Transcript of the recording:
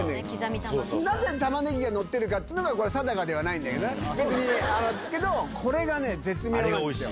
なぜたまねぎが載ってるかっていうのが、これ、定かではないんだけど、これが絶妙なんですよ。